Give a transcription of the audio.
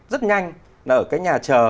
rất nhanh là ở cái nhà chờ